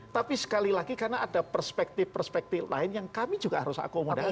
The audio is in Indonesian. tapi sekali lagi karena ada perspektif perspektif lain yang kami juga harus akomodasi